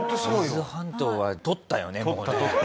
伊豆半島はとったよねもうね。